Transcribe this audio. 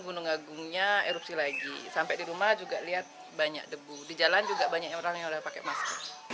gunung agungnya erupsi lagi sampai di rumah juga lihat banyak debu di jalan juga banyak orang yang pakai masker